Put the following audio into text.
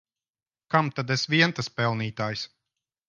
Kam tad es vien tas pelnītājs!